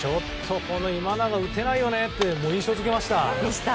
今永、打てないよねって印象付けました。